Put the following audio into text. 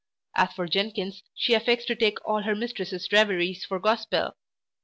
As for Jenkins, she affects to take all her mistress's reveries for gospel.